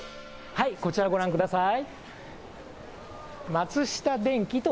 はい、こちらをご覧ください。